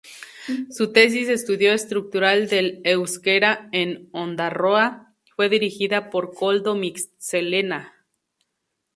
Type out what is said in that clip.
Su tesis "Estudio estructural del euskera en Ondarroa" fue dirigida por Koldo Mitxelena.